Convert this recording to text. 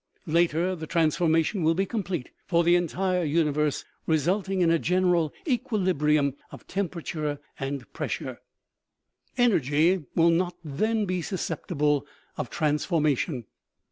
La ter, the transformation will be complete for the entire uni verse, resulting in a general equilibrium of temperature and pressure. " Energy will not then be susceptible of transformation.